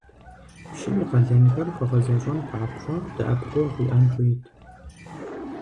Пщым и къалэнхэр хуэгъэзэщӀэн папщӀэ дэӀэпыкъуэгъу иӀэн хуейт.